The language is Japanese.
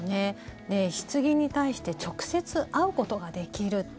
ひつぎに対して直接会うことができる。